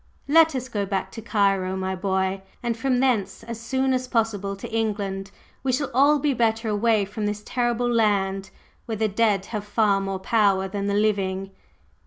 "Let us go back to Cairo, my boy, and from thence as soon as possible to England. We shall all be better away from this terrible land, where the dead have far more power than the living!"